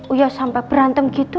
uya sampe berantem gitu